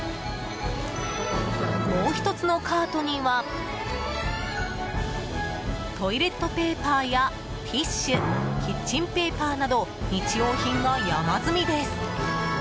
もう１つのカートにはトイレットペーパーやティッシュキッチンペーパーなど日用品が山積みです。